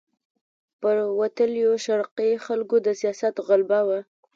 پر وتلیو شرقي خلکو د سیاست غلبه وه.